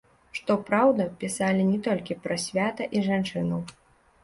Што праўда, пісалі не толькі пра свята і жанчынаў.